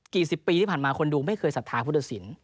กี่สิบปีที่ผ่านมาคนดูไม่เคยศัพท์ภูตสิน